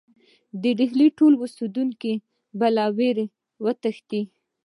د ډهلي ټول اوسېدونکي به له وېرې وتښتي.